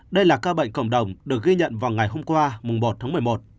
đây là ca bệnh cộng đồng được ghi nhận vào ngày hôm qua một tháng một mươi một